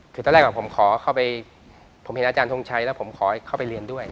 คือตอนแรกผมเห็นอาจารย์ทงชัยแล้วผมขอเข้าไปเรียนด้วย